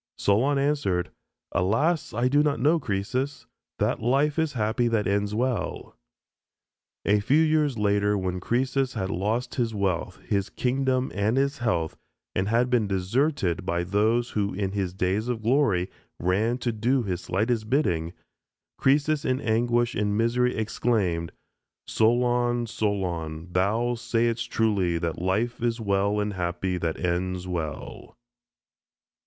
Solon answered, "Alas, I do not know, Croesus; that life is happy that ends well." A few years later when Croesus had lost his wealth, his kingdom, and his health, and had been deserted by those who in his days of glory ran to do his slightest bidding, Croesus in anguish and misery exclaimed, "Solon, Solon, thou saidst truly that life is well and happy that ends well."